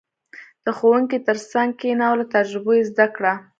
• د ښوونکي تر څنګ کښېنه او له تجربو یې زده کړه.